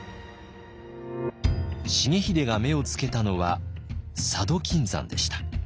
重秀が目をつけたのは佐渡金山でした。